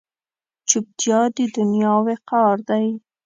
چوپتیا، د دنیا وقار دی.